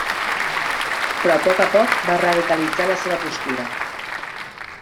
Però a poc a poc va radicalitzar la seva postura.